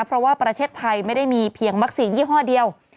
เพราะว่าประเทศไทยไม่ได้มีเพียงวัคซีนยี่ห้อเดียว